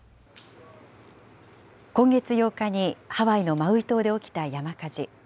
今月８日にハワイのマウイ島で起きた山火事。